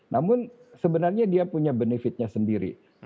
namun sebenarnya dia punya benefitnya sendiri